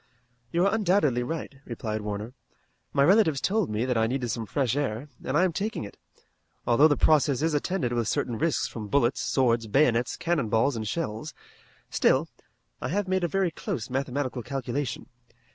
"You are undoubtedly right," replied Warner. "My relatives told me that I needed some fresh air, and I am taking it, although the process is attended with certain risks from bullets, swords, bayonets, cannon balls, and shells. Still, I have made a very close mathematical calculation.